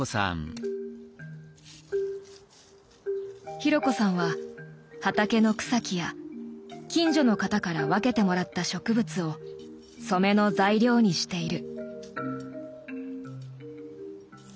紘子さんは畑の草木や近所の方から分けてもらった植物を染めの材料にしている。